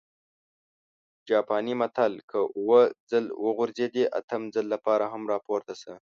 جاپانى متل: که اووه ځل وغورځېدې، اتم ځل لپاره هم راپورته شه!